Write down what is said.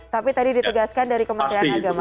tapi tadi ditegaskan dari kementerian agama